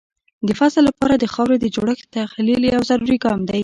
د فصل لپاره د خاورې د جوړښت تحلیل یو ضروري ګام دی.